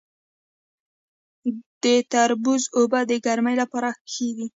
د تربوز اوبه د ګرمۍ لپاره ښې دي.